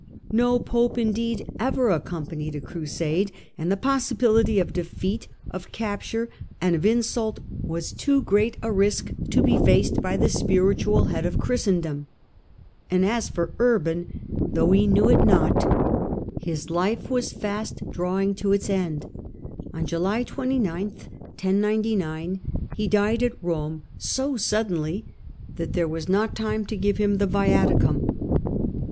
No pope indeed ever accompanied a crusade; the possibility of defeat, of capture, and of insult was too great a risk to be faced by the spiritual head of Christendom. And as for Urban, though he knew it not, his life was fast drawing Deathof to its end. On July 29 he died at Rome, so Urban, '*, 1099 suddenly that there was not time to give hmi the viaticum.